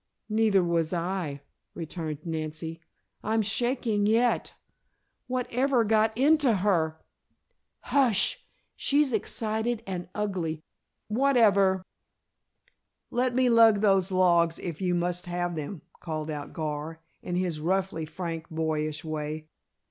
"Neither was I," returned Nancy. "I'm shaking yet. What ever got into her " "Hush! She's excited and ugly " "What ever " "Let me lug those logs if you must have them," called out Gar, in his roughly frank, boyish way.